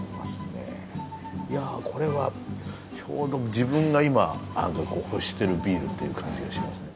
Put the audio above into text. いやこれはちょうど自分が今欲してるビールという感じがしますね。